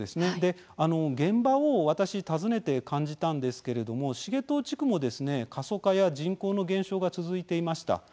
現場を私、訪ねて感じたんですけれども繁藤地区も、過疎化や人口の減少が続いていました。